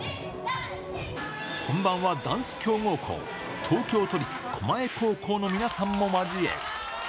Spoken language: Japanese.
本番はダンス強豪校、東京都立狛江高校の皆さんも交え。